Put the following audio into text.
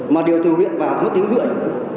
mà điều từ huyện vào thì mất tiếng rưỡi